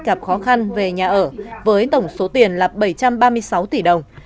gặp khó khăn về nhà ở với tổng số tiền là bảy trăm ba mươi sáu tỷ đồng